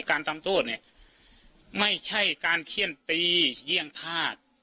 การทำโทษเนี่ยไม่ใช่การเขี้ยนตีเยี่ยงธาตุ